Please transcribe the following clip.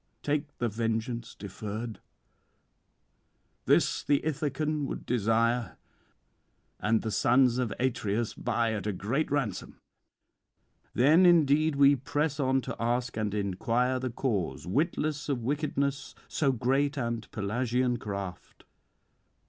Take the vengeance deferred; this the Ithacan would desire, and the sons of Atreus buy at a great ransom." 'Then indeed we press on to ask and inquire the cause, witless of wickedness so great and Pelasgian craft.